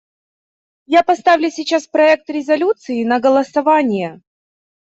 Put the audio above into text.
Я поставлю сейчас проект резолюции на голосование.